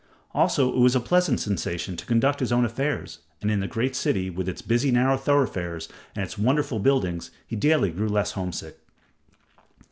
Also, it was a pleasant sensation to conduct his own affairs, and in the great city, with its busy narrow thoroughfares and its wonderful buildings, he daily grew less homesick.